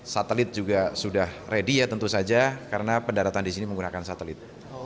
satelit juga sudah ready ya tentu saja karena pendaratan di sini menggunakan satelit